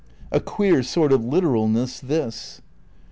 A queer sort of literalness, this.